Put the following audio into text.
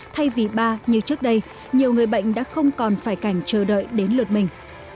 thay vì ba như trước đây nhiều người bệnh đã không còn phải cảnh chờ đợi đến lượt mình